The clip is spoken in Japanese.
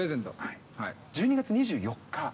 １２月２４日